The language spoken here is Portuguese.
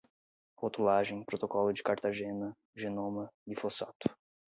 rotulagem, protocolo de cartagena, genoma, glifosato